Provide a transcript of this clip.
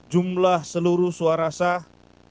jumlah seluruh suara sah